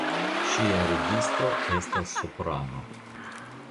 Ŝia registro estas soprano.